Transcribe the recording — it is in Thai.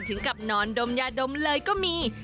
ถึงกับนอนดมยาดมเลยก็มี